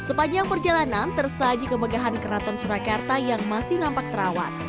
sepanjang perjalanan tersaji kemegahan keraton surakarta yang masih nampak terawat